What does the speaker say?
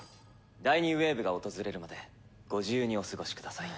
第２ウェーブが訪れるまでご自由にお過ごしください。